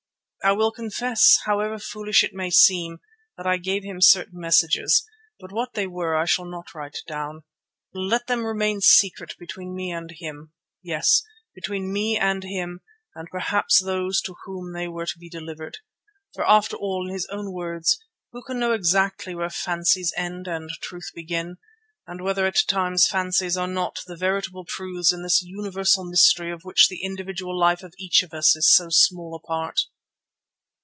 I will confess, however foolish it may seem, that I gave him certain messages, but what they were I shall not write down. Let them remain secret between me and him. Yes, between me and him and perhaps those to whom they were to be delivered. For after all, in his own words, who can know exactly where fancies end and truths begin, and whether at times fancies are not the veritable truths in this universal mystery of which the individual life of each of us is so small a part?